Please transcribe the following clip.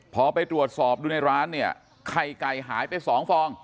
พอไปตรวจสอบดูในร้านเนี่ยไข่ไก่หายไปสองฟอง